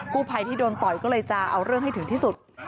ผู้ภัยที่โดนต่อยก็เลยจะเอาเรื่องให้ถึงที่สุด